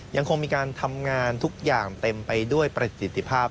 ยังคงมีการทำงานทุกอย่างเต็มไปด้วยประสิทธิภาพ